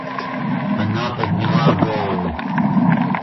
Она подняла голову.